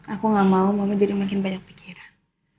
aku gak mau mama jadi makin banyak pikiran